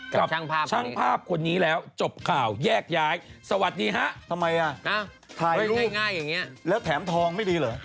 กับช่างภาพคนนี้แล้วจบข่าวแยกย้ายสวัสดีฮะทำไมอ่ะถ่ายรูปแล้วแถมทองไม่ดีเหรอ